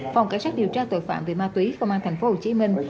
phòng cảnh sát điều tra tội phạm về ma túy công an thành phố hồ chí minh